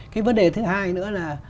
cái vấn đề thứ hai nữa là